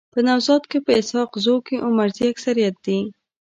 په نوزاد کي په اسحق زو کي عمرزي اکثريت دي.